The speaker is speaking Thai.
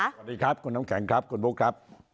สวัสดีครับคุณน้ำแข็งครับคุณบุ๊คครับ